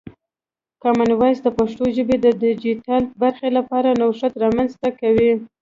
کامن وایس د پښتو ژبې د ډیجیټل برخې لپاره نوښت رامنځته کوي.